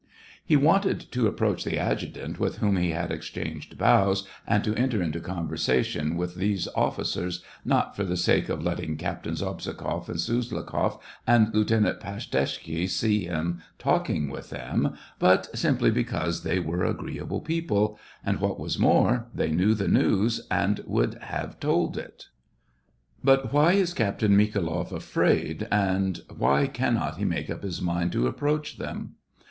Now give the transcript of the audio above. He wanted to approach the adjutant with whom he had exchanged bows, and to enter into conver sation with these officers, not for the sake of let ting Captains Obzhogoff and Suslikoff and Lieuten ant Pashtetzky see him talking with them, but simply because they were agreeable people, and, what was more, they knew the news, and would have told it. But why is Captain Mikhailoff afraid, and why cannot he make up his mind to approach them } SEVASTOPOL IN MAY.